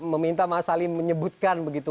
meminta mas ali menyebutkan begitu